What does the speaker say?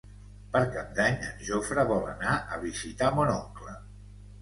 Per Cap d'Any en Jofre vol anar a visitar mon oncle.